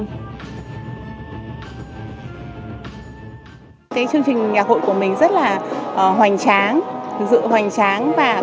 chương trình nhạc hội của mình rất là hoành tráng dự hoành tráng